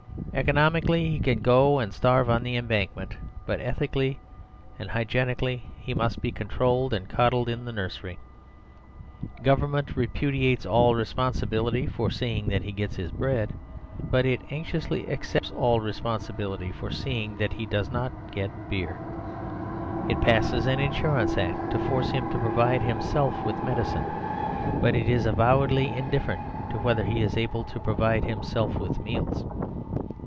Economically he can go and starve on the Embankment; but ethically and hygienically he must be controlled and coddled in the nursery. Government repudiates all responsibility for seeing that he gets bread. But it anxiously accepts all responsibility for seeing that he does not get beer. It passes an Insurance Act to force him to provide himself with medicine; but it is avowedly indifferent to whether he is able to provide himself with meals.